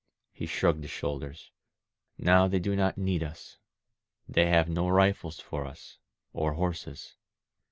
'» He shrugged his shoulders. "Now they do not need us. They have no rifles for us, or horses.